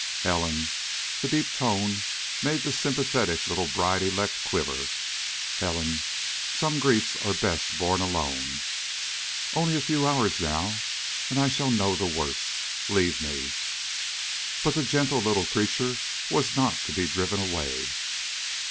"Helen!" The deep tone made the sympathetic little bride elect quiver. "Helen, some griefs are best borne alone. Only a few hours now and I shall know the worst. Leave me." But the gentle little creature was not to be driven away.